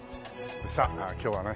さあ今日はね